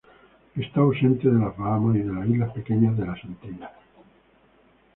Está ausente de las Bahamas y de las islas pequeñas de las Antillas.